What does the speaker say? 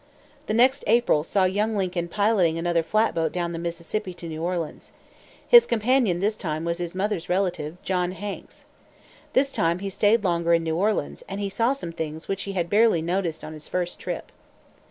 The next April saw young Lincoln piloting another flatboat down the Mississippi to New Orleans. His companion this time was his mother's relative, John Hanks. This time he stayed longer in New Orleans, and he saw some things which he had barely noticed on his first trip.